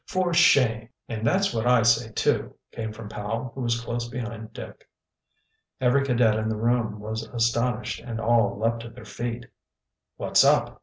"For shame!" "And that's what I say, too," came from Powell, who was close behind Dick. Every cadet in the room was astonished, and all leaped to their feet. "What's up?"